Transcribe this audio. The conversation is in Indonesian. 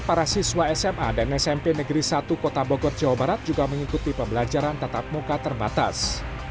para siswa sma dan smp negeri satu kota bogor jawa barat juga mengikuti pembelajaran tatap muka terbatas